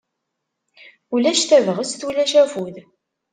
Ulac tabɣest, ulac afud.